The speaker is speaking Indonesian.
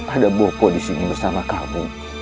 ada popo disini bersama kamu